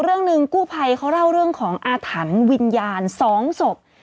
เรื่องหนึ่งกู้ภัยเขาเล่าเรื่องของอาถรรพ์วิญญาณสองศพ